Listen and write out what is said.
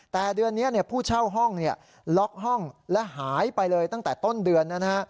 แต่เดือนนี้ผู้เช่าห้องล็อกห้องและหายไปเลยตั้งแต่ต้นเดือนนะฮะ